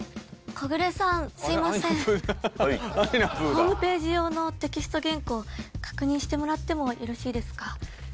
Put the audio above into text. ホームページ用のテキスト原稿確認してもらってもよろしいですか？